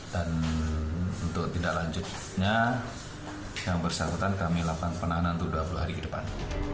dan untuk tindak lanjutnya yang bersangkutan kami lakukan penahanan untuk dua puluh hari ke depan